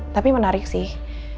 tapi menarik sih